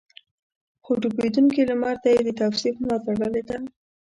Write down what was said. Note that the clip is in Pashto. خو ډوبېدونکي لمر ته يې د توصيف ملا تړلې ده.